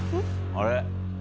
あれ？